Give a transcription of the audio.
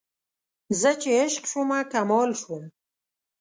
زه چې عشق شومه کمال شوم